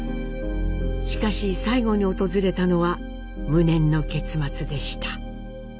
しかし最後に訪れたのは無念の結末でした。